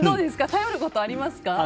頼ることありますか？